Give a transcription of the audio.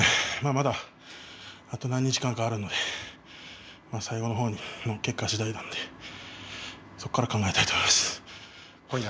まだあと何日間かあるので最後の方に結果次第だとそこから考えたいと思います。